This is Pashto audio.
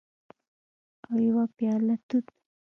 او یوه پیاله توت